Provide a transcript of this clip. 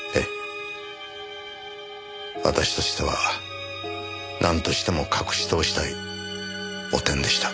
私としてはなんとしても隠し通したい汚点でした。